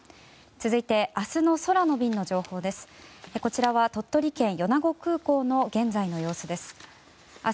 続いて明日の空の便の情報です。